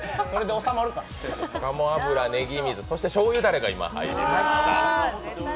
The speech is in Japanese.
鴨油、ねぎ水、そしてしょうゆダレが今入りました。